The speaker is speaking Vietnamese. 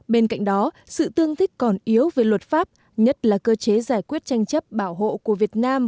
bên cạnh đó sự tương thích còn yếu về luật pháp nhất là cơ chế giải quyết tranh chấp bảo hộ của việt nam